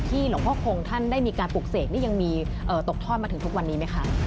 หลวงพ่อคงท่านได้มีการปลูกเสกนี่ยังมีตกทอดมาถึงทุกวันนี้ไหมคะ